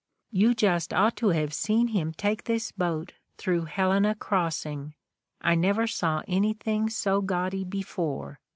"You just ought to have seen him take this boat through Helena Cross ing. I never saw anything so gaudy before.